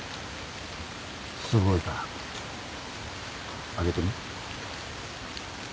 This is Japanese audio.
すごいから開けてみ。